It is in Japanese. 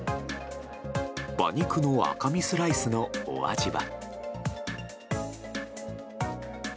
馬肉の赤身スライスのお味は。